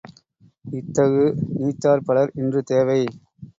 இத்தகு நீத்தார் பலர் இன்று தேவை.